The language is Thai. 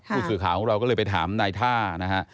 ผู้สื่อข่าวของเราก็เลยไปถามนายท่านะฮะ